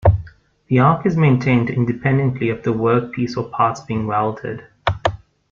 The arc is maintained independently of the workpiece or parts being welded.